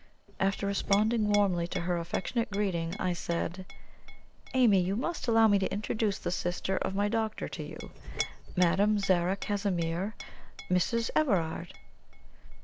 After responding warmly to her affectionate greeting, I said: "Amy, you must allow me to introduce the sister of my doctor to you. Madame Zara Casimir Mrs. Everard."